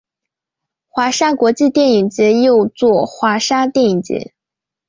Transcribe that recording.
华沙国际电影节又作华沙电影节。